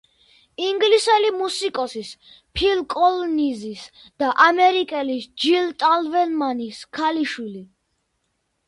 ინგლისელი მუსიკოსის, ფილ კოლინზის და ამერიკელის, ჯილ ტაველმანის ქალიშვილი.